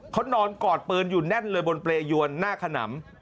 เขานอนกอดปืนอยู่แน่นเลยบนเปรยวนหน้าขนำ